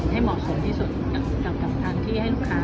กับมันเป็นทางที่แบบปลอดภัย